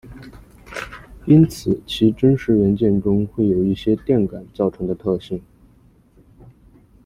因此其真实元件中会有一些电感造成的特性。